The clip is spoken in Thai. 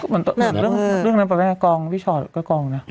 เหมือนเรื่องนั้นแปลว่ากองพี่ชอดก็กองนะ